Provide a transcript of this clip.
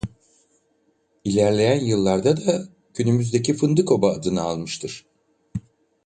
İlerleyen yıllarda da günümüzdeki Fındıkoba adını almıştır.